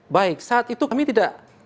baik saat itu kami tidak